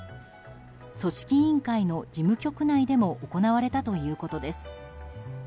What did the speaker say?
組織委員会の事務局内でも行われたということです。